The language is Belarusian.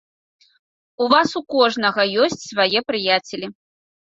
У вас у кожнага ёсць свае прыяцелі.